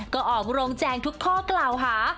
ก็ออกโรงแจงทุกข้อกล่าวหา